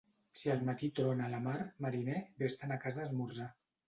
Si al matí trona a la mar, mariner, ves-te'n a casa a esmorzar.